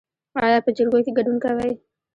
ایا په جرګو کې ګډون کوئ؟